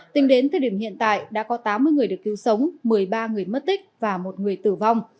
tính đến thời điểm hiện tại đã có tám mươi người được cứu sống một mươi ba người mất tích và một người tử vong